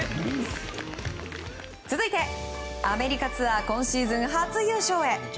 続いて、アメリカツアー今シーズン初優勝へ。